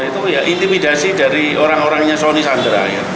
itu intimidasi dari orang orangnya soni sandra